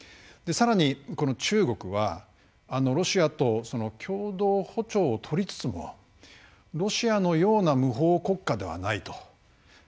さらに、中国はロシアと共同歩調をとりつつもロシアのような無法国家ではないと。